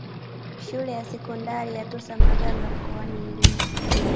Shule ya sekondari ya Tosamaganga mkoani Iringa